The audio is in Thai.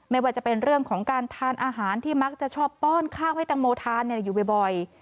ไม่ว่าจะเป็นเรื่องของการทานอาหารที่มักจะชอบป้อนข้าวให้ตังโมทานอยู่บ่อย